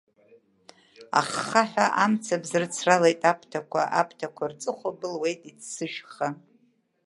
Аххаҳәа амцабз рыцралеит аԥҭақәа, аԥҭақәа рҵыхәа былуеит иццышәха.